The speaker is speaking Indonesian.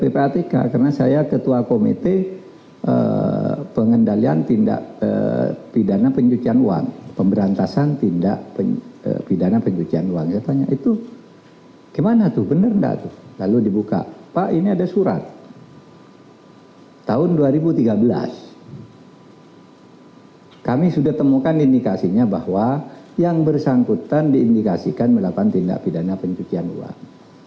bagaimana itu benar lalu dibuka pak ini ada surat tahun dua ribu tiga belas kami sudah temukan indikasinya bahwa yang bersangkutan diindikasikan melakukan tindak pidana pencucian uang